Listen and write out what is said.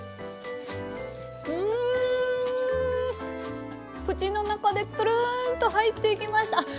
うん口の中でプルンと入っていきました。